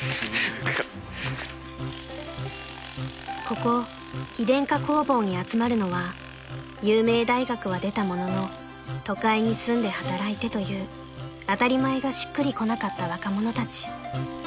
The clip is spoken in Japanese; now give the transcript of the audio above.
［ここ非電化工房に集まるのは有名大学は出たものの都会に住んで働いてという当たり前がしっくりこなかった若者たち］